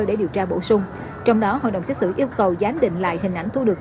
để điều tra bổ sung trong đó hội đồng xét xử yêu cầu giám định lại hình ảnh thu được